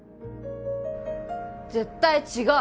絶対違う！